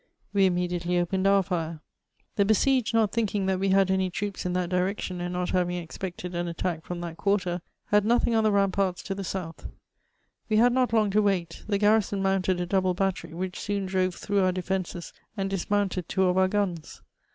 We immediately opened our fire. The besieged not thinking that we had any troops in that direction, and not haying expected an attack from that quarter, had nothing on the ramparts to the south ; we had not long to wait ; the garrison mounted a double battery, which soon drove through our defences, and dismounted two of our guns.